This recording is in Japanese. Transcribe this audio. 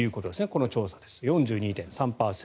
この調査です。４２．３％。